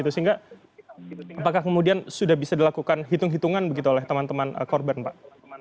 sehingga apakah kemudian sudah bisa dilakukan hitung hitungan begitu oleh teman teman korban pak